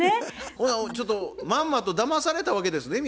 ほなちょっとまんまとだまされたわけですね宮崎さん。